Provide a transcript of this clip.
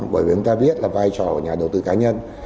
bởi vì chúng ta biết là vai trò của nhà đầu tư cá nhân